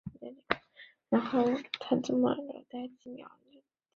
该方法利用的就是这个原理。